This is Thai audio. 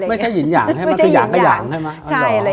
ไม่ใช่หยินหยางใช่ไหมคือหยินหยางใช่ไหม